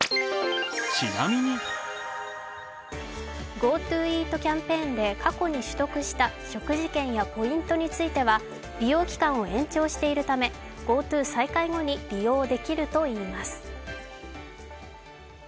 ＧｏＴｏイートキャンペーンで過去に取得した食事券やポイントについては利用期間を延長しているためＧｏＴｏ再開後に利用できるといいます。